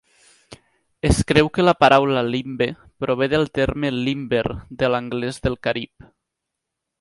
Es creu que la paraula "limbe" prové del terme "limber" de l'anglès del carib.